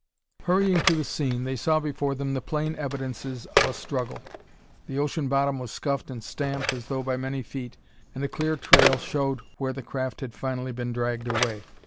Hurrying to the scene, they saw before them the plain evidences of a struggle. The ocean bottom was scuffed and stamped, as though by many feet, and a clear trail showed where the craft had finally been dragged away.